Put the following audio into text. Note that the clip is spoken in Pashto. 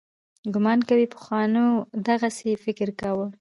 ګومان کوي پخوانو دغسې فکر کاوه.